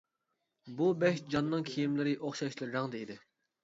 بۇ بەش جاننىڭ كىيىملىرى ئوخشاشلا رەڭدە ئىدى.